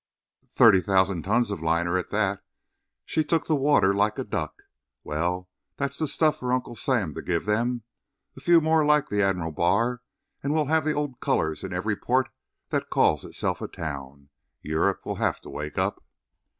"Thirty thousand tons of liner at that. She took the water like a duck. Well, that's the stuff for Uncle Sam to give them; a few more like the Admiral Barr and we'll have the old colors in every port that calls itself a town. Europe will have to wake up."